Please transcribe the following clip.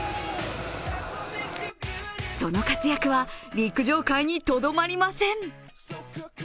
その活躍は、陸上界にとどまりません。